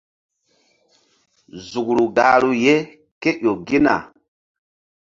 Zukru gahru ye ke ƴo gina.